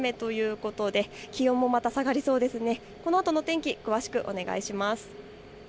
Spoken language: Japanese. このあとの天気詳しくお願いします。